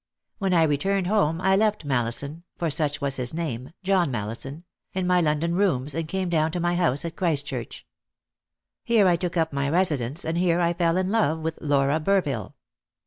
When I returned home, I left Mallison for such was his name, John Mallison in my London rooms, and came down to my house at Christchurch. Here I took up my residence, and here I fell in love with Laura Burville.